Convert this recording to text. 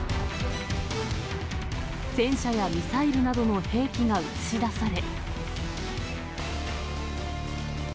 戦車やミサイルなどの兵器が映し出され。